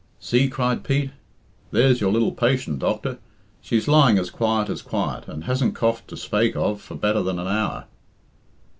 "See," cried Pete; "there's your lil patient, doctor. She's lying as quiet as quiet, and hasn't coughed to spake of for better than an hour."